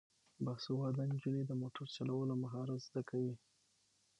باسواده نجونې د موټر چلولو مهارت زده کوي.